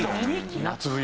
夏冬。